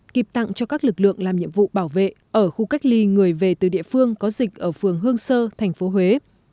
kịp tặng cho các lực lượng làm nhiệm vụ bảo vệ ở khu cách ly người về từ địa phương có dịch ở phường hương sơ thành phố huế